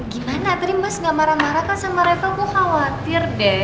gimana tadi mas gak marah marah kan sama reva gue khawatir deh